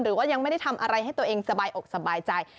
หรือว่ายังไม่ได้ทำอะไรให้ตัวเองสบายอกสบายใจ